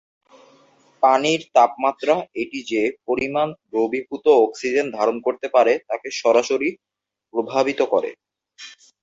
পানির তাপমাত্রা এটি যে পরিমাণ দ্রবীভূত অক্সিজেন ধারণ করতে পারে তাকে সরাসরি প্রভাবিত করে।